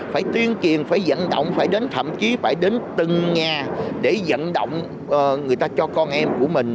phải tiên triển phải dẫn động thậm chí phải đến từng nhà để dẫn động người ta cho con em của mình